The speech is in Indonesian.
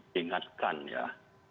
untuk mengembalikan aplikasi